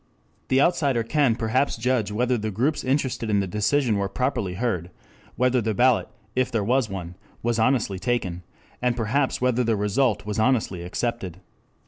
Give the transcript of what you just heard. The outsider can perhaps judge whether the groups interested in the decision were properly heard, whether the ballot, if there was one, was honestly taken, and perhaps whether the result was honestly accepted.